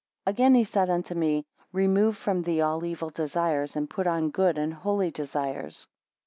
AGAIN he said unto me; remove from thee all evil desires, and put on good and holy desires.